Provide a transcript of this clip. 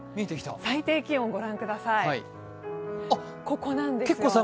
最低気温御覧ください。